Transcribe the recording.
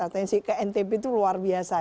atensi ke ntb itu luar biasa ya